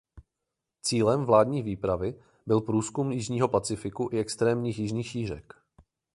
Cílem vládní výpravy byl průzkum jižního Pacifiku i extrémních jižních šířek.